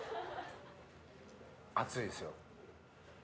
熱いですよ。